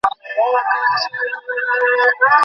ওসব এখন ভাবতে পারব না।